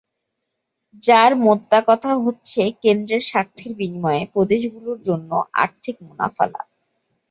যার মোদ্দাকথা হচ্ছে, কেন্দ্রের স্বার্থের বিনিময়ে প্রদেশগুলোর জন্য আর্থিক মুনাফা লাভ।